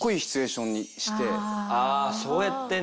そうやってね。